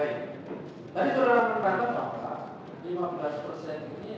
yang ini memang ada potensi